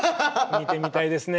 見てみたいですね。